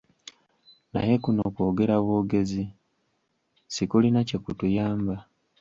Naye kuno kwogera bwogezi, sikulina kye kutuyamba.